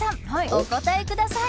お答えください！